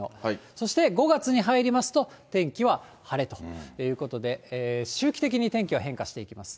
そして５月に入りますと、天気は晴れということで、周期的に天気は変化していきます。